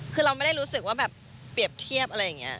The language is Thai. คือเราไม่ได้รู้สึกว่าแบบเปรียบเทียบอะไรอย่างนี้